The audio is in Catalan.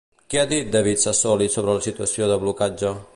Què ha dit David Sassoli sobre la situació de blocatge?